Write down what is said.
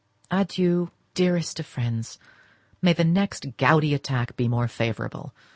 Adieu, dearest of friends; may the next gouty attack be more favourable!